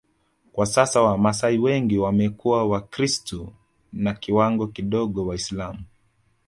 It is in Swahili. Kwa sasa Wamasai wengi wamekuwa wakristu na kiwango kidogo Waislamu